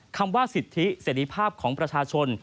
คำว่าสิทธิเสรีภาพของประชาชน